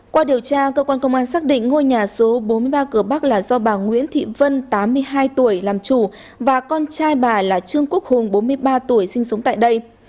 qua điều tra cơ quan công an xác định ngôi nhà số bốn mươi ba cửa bắc là do bà nguyễn thị vân tám mươi hai tuổi làm chủ và con trai bà là trương quốc hùng bốn mươi ba tuổi sinh sống tại đây